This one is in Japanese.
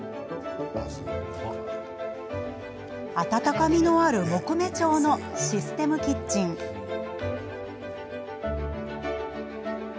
温かみのある木目調のシステムキッチンです。